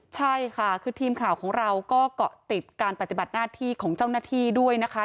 ใช่ค่ะคือทีมข่าวของเราก็เกาะติดการปฏิบัติหน้าที่ของเจ้าหน้าที่ด้วยนะคะ